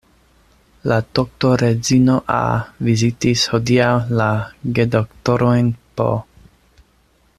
La doktoredzino A. vizitis hodiaŭ la gedoktorojn P.